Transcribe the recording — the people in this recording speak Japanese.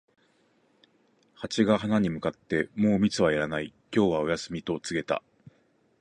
ハチが花に向かって、「もう蜜はいらない、今日はお休み」と告げた。